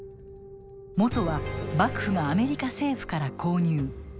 もとは幕府がアメリカ政府から購入。